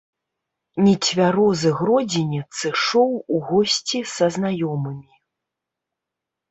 Нецвярозы гродзенец ішоў у госці са знаёмымі.